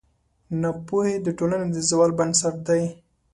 ناپوهي د ټولنې د زوال بنسټ دی.